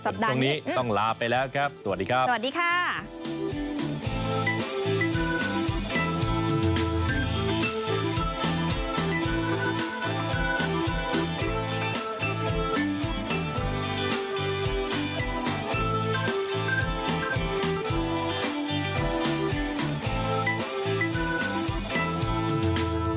สวัสดีครับพบกันใหม่สัปดาห์หน้าเลยสำหรับสัปดาห์เด็กต้องลาไปแล้วครับสวัสดีครับสวัสดีค่ะ